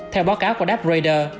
theo báo cáo của dapp raider